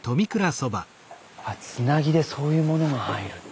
あつなぎでそういうものが入るんだ。